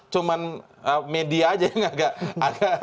cuma media aja yang agak ada